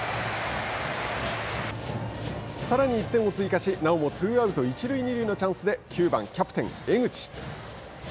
さらに１点を追加しなおもツーアウト一塁二塁のチャンスで９番キャプテン江口。